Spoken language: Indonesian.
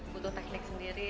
butuh teknik sendiri